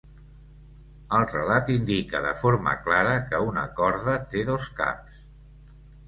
El relat indica de forma clara que una corda té dos caps.